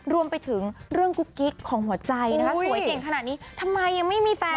รวมไปถึงเรื่องกุ๊กกิ๊กของหัวใจนะคะสวยเก่งขนาดนี้ทำไมยังไม่มีแฟน